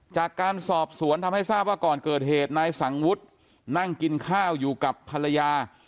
จากการสอบสวนทำให้ทราบว่าก่อนเกิดเหตุนายสังวุฒินั่งกินข้าวอยู่กับภรรยา